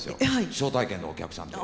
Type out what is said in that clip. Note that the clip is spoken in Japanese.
招待券のお客さんで。